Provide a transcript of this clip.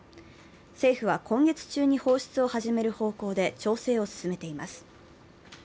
政府は今月中に放出を始める方向で調整を進めています。